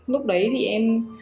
lúc đấy thì em